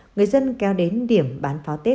người dân kéo đến điểm bán pháo tết